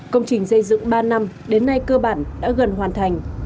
công trình xây dựng ba năm đến nay cơ bản đã gần hoàn thành